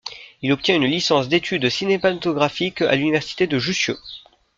Il obtient une licence d’études cinématographiques à l’Université de Jussieu.